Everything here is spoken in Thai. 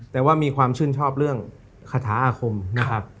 แต่ว่ามีความชื่นชอบเรื่องคาถาอาคมนะครับ